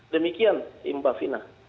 demikian mbak fina